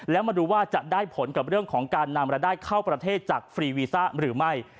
แล้วมาดูว่าจะได้ผลกับเรื่องของการนำรายได้เข้าประเทศจากฟรีวีซ่าหรือไม่